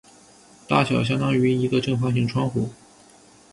大小相当于一个正方形窗户。